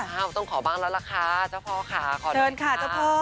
ค่ะต้องขอบ้างแล้วละค่ะ